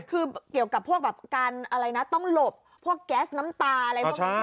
คือเกี่ยวกับพวกแบบการอะไรนะต้องหลบพวกแก๊สน้ำตาอะไรพวกนี้